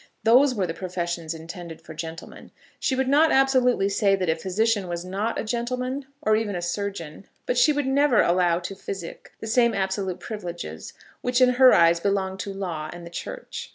Those were the professions intended for gentlemen. She would not absolutely say that a physician was not a gentleman, or even a surgeon; but she would never allow to physic the same absolute privileges which, in her eyes, belonged to law and the church.